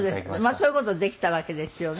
そういう事できたわけですよね。